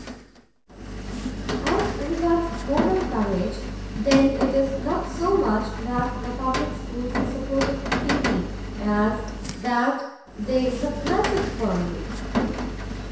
As regards moral courage, then it is not so much that the public schools support it feebly, as that they suppress it firmly.